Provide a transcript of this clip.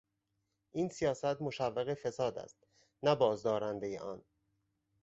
این سیاست مشوق فساد است نه بازدارندهی آن.